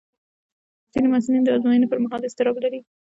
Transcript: ځینې محصلین د ازموینې پر مهال اضطراب لري.